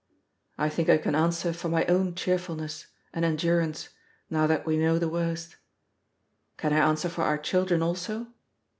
I think I can answer for my own cheerfulness and endurance, now that we know the worst. Can I answer for our children also?